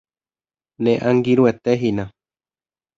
Ne angirũete hína.